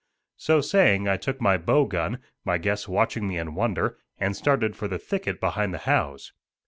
So saying I took my bow gun, my guests watching me in wonder, and started for the thicket behind the house.